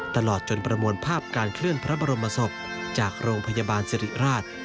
ตลอดจนประมวลภาพการเคลื่อนพระบรมศพจากโรงพยาบาลสิริราช